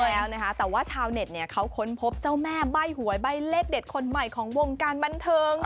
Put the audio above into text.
แล้วนะคะแต่ว่าชาวเน็ตเนี่ยเขาค้นพบเจ้าแม่ใบ้หวยใบ้เลขเด็ดคนใหม่ของวงการบันเทิง